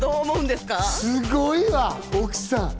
すごいわ、奥さん。